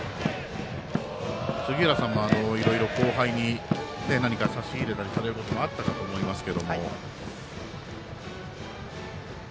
杉浦さんもいろいろ後輩に差し入れたりされることもあったかと思いますが。